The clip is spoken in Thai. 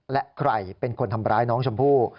และใครเป็นคนทำร้ายน้องชมพู่